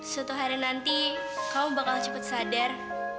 suatu hari nanti kamu bakal cepet sadar